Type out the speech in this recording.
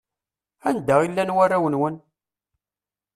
Anda i llan warraw-nwen?